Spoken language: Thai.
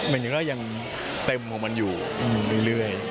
มันก็ยังใหม่เต็มของมันอยู่เรื่อย